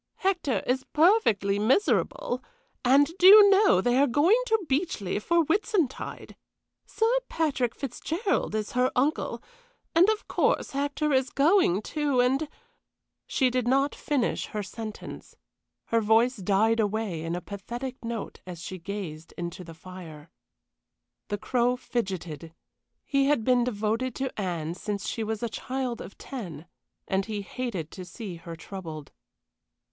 Hector is perfectly miserable; and, do you know, they are going to Beechleigh for Whitsuntide. Sir Patrick Fitzgerald is her uncle and, of course, Hector is going, too, and " She did not finish her sentence. Her voice died away in a pathetic note as she gazed into the fire. The Crow fidgeted; he had been devoted to Anne since she was a child of ten, and he hated to see her troubled.